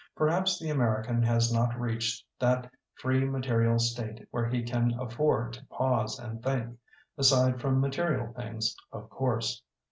Perhaps the American has not reached that free material state where he can afford to pause and think, aside from material things, of course.